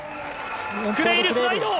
クレイルスライド。